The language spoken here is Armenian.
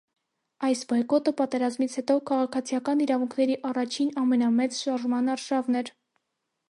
Այս բոյկոտը պատերազմից հետո քաղաքացիական իրավունքների առաջին ամենամեծ շարժման արշավն էր։